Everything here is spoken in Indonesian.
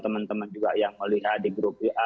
teman teman juga yang melihat di grup wa